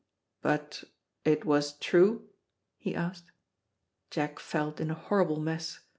"But it was true?" he asked. Jack felt in a horrible mess.